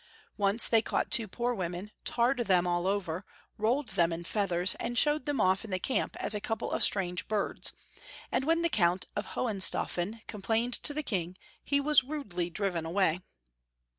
Once they caught two poor women, tarred them all over, rolled them in feathers, and showed them off in the camp as a couple of strange birds, and when the Count of Hohenstaufen com plained to the King, he was rudely driven away.